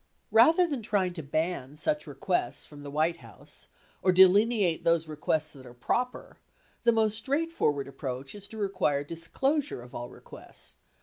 Rather than trying to ban such requests from the White House or delineate those requests that are proper, the most straightforward approach is to require disclosure of all requests.